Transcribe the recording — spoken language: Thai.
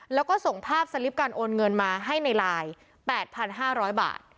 แล้วก็ส่งภาพสลิปการโอนเงินมาให้ในไลน์๘๕๐๐บาท